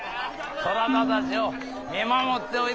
そなたたちを見守っておいでだ。